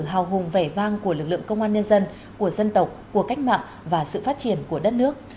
hào hùng vẻ vang của lực lượng công an nhân dân của dân tộc của cách mạng và sự phát triển của đất nước